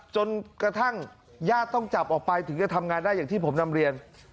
จนกระทั่งญาติต้องจับออกไปถึงจะทำงานได้อย่างที่ผมนำเรียน